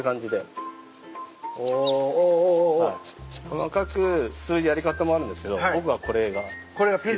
細かくするやり方もあるんですけど僕はこれが好き。